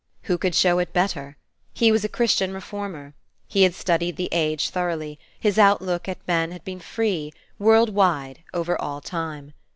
Who could show it better? He was a Christian reformer; he had studied the age thoroughly; his outlook at man had been free, world wide, over all time.